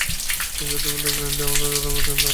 সত্যি বলতে ব্র্যান্ডি আমার অতটা পছন্দও না।